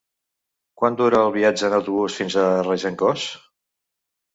Quant dura el viatge en autobús fins a Regencós?